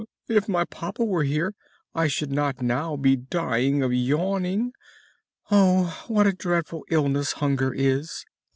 If my papa were here I should not now be dying of yawning! Oh! what a dreadful illness hunger is!"